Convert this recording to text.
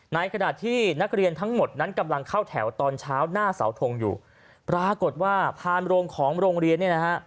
ในขณะที่นักเรียนทั้งหมดนั้นกำลังเข้าแถวตอนเช้าหน้าเสาทงอยู่ปรากฏว่าผ่านโรงของโรงเรียนเนี่ยนะฮะ